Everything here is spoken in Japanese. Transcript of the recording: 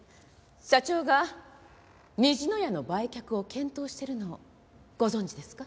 社長が虹の屋の売却を検討しているのをご存じですか？